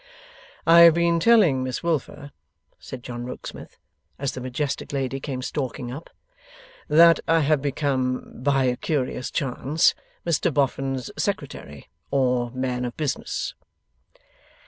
'I have been telling Miss Wilfer,' said John Rokesmith, as the majestic lady came stalking up, 'that I have become, by a curious chance, Mr Boffin's Secretary or man of business.